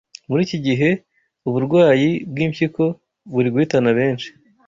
Muri iki gihe, uburwayi bw’impyiko buri guhitana benshi